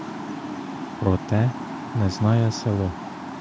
Про те не знає село.